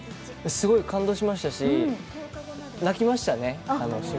すごい感動しましたし、泣きましたね。